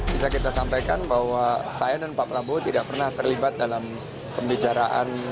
bisa kita sampaikan bahwa saya dan pak prabowo tidak pernah terlibat dalam pembicaraan